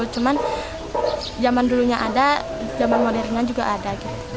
cuman zaman dulunya ada zaman modernnya juga ada